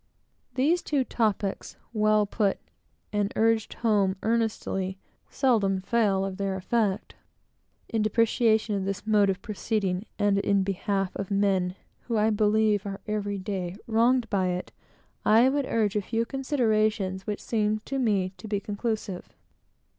These two topics, well put, and urged home earnestly, seldom fail of their effect. In deprecation of this mode of proceeding, and in behalf of men who I believe are every day wronged by it, I would urge a few considerations which seem to me to be conclusive.